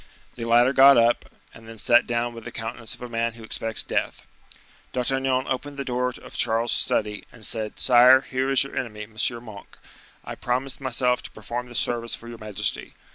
The latter got up, and then sat down with the countenance of a man who expects death. D'Artagnan opened the door of Charles's study, and said, "Sire, here is your enemy, M. Monk; I promised myself to perform this service for your majesty.